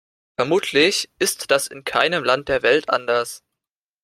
Vermutlich ist das in keinem Land der Welt anders.